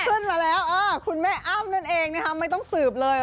ขึ้นมาแล้วคุณแม่อ้ำนั่นเองนะคะไม่ต้องสืบเลย